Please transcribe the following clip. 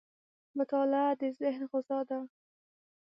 • مطالعه د ذهن غذا ده.